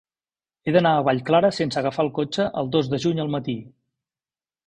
He d'anar a Vallclara sense agafar el cotxe el dos de juny al matí.